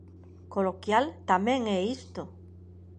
Coloquial tamén é isto.